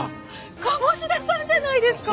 鴨志田さんじゃないですか！